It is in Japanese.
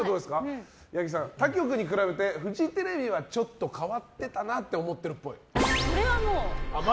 八木さん、他局に比べてフジテレビはちょっと変わってたなって思ってるっぽい。